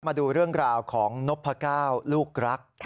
มาดูเรื่องราวของนพก้าวลูกรัก